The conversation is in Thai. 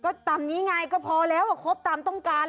ก็ตามนี้ไงก็พอแล้วครบตามต้องการ